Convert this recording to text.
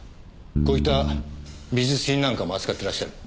こういった美術品なんかも扱ってらっしゃる？